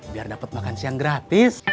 biar dapat makan siang gratis